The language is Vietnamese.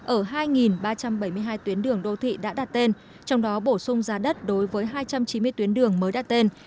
ở hai ba trăm bảy mươi hai tuyến đường đô thị đã đặt tên trong đó bổ sung giá đất đối với hai trăm chín mươi tuyến đường mới đặt tên